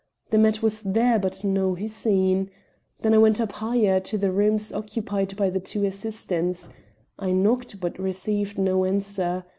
The mat was there, but no Hussein. Then I went higher up to the rooms occupied by the two assistants. I knocked, but received no answer.